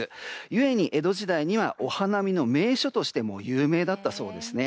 故に江戸時代にはお花見の名所としても有名だったそうです。